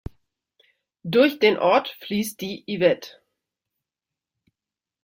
Durch den Ort fließt die Yvette.